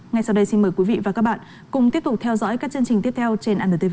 ngay sau đây xin mời quý vị và các bạn cùng tiếp tục theo dõi các chương trình tiếp theo trên anntv